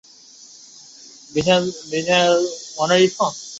森林微蟹蛛为蟹蛛科微蟹蛛属的动物。